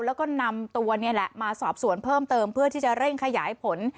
แล้วก็นำตัวนี่แหละมาสอบสวนเพิ่มเติมเพื่อที่จะเร่งขยายผล